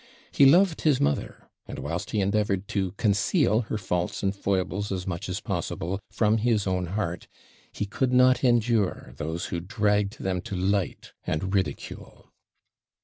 He loved his mother; and, whilst he endeavoured to conceal her faults and foibles as much as possible from his own heart, he could not endure those who dragged them to light and ridicule.